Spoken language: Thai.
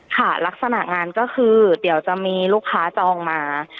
ค่ะลักษณะงานก็คือเดี๋ยวจะมีลูกค้าจองมา